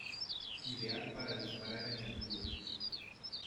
Ideal para disparar en altura.